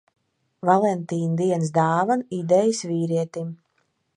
Valentīna dienas dāvanu idejas vīrietim.